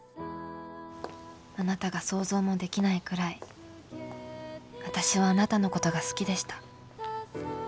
あなたが想像もできないくらい私はあなたのことが好きでした。